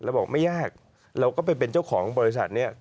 บอกไม่ยากเราก็ไปเป็นเจ้าของบริษัทเนี่ย